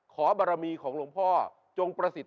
ขอบารมีของหลวงพ่อจงประสิทธิ